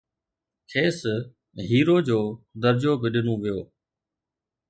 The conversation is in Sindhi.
کيس هيرو جو درجو به ڏنو ويو